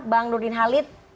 bang nurdin halid